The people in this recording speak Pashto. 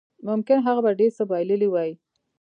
ممکن هغه به ډېر څه بایللي وای